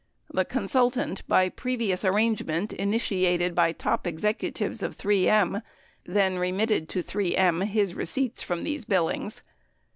The consultant, by previous arrangement initiated by top executives of 3 M, then remitted to 3 M his receipts from these bill ings.